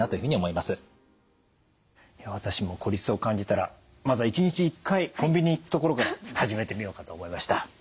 いや私も孤立を感じたらまずは１日１回コンビニに行くところから始めてみようかと思いました。